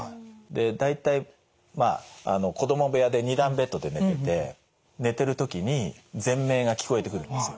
大体まあ子供部屋で２段ベットで寝てて寝てる時にぜん鳴が聞こえてくるんですよ。